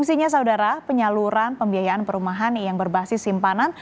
isinya saudara penyaluran pembiayaan perumahan yang berbasis simpanan